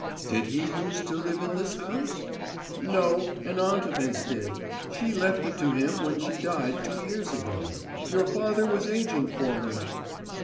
"Did he use to live in this house?" "No; an aunt of his did. She left it to him when she died, two years ago. Your father was agent for her."